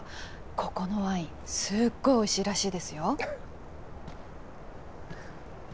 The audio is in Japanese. ここのワインすっごいおいしいらしいですよ。